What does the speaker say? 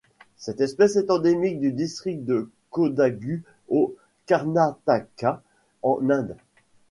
Cette espèce est endémique du district de Kodagu au Karnataka en Inde.